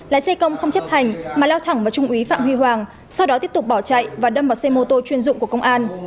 lái xe công không chấp hành mà lao thẳng vào trung úy phạm huy hoàng sau đó tiếp tục bỏ chạy và đâm vào xe mô tô chuyên dụng của công an